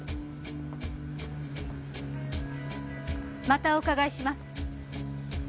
またお伺いします。